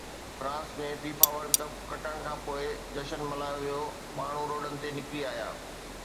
France ۾ FIFA world cup کٽڻ کانپوءِ جشن ملهايو ويو، ماڻهو روڊن تي نڪري آيا